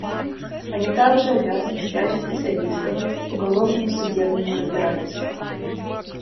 Они также обязаны всячески содействовать уголовному судебному разбирательству.